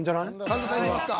神田さんいきますか？